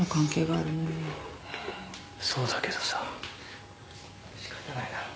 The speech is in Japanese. そうだけどさしかたないだろ。